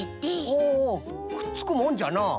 おおくっつくもんじゃな。